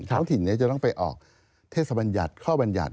ท้องถิ่นจะต้องไปออกเทศบรรยัตข้อบรรยัต